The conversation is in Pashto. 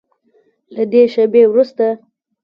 له دې شیبې وروسته